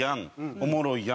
おもろいやん」